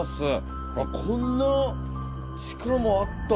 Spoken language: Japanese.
こんな地下もあったんだ。